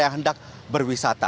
yang hendak berwisata